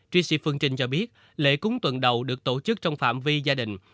tracy phương trình cho biết lễ cúng tuần đầu được tổ chức trong phạm vi gia đình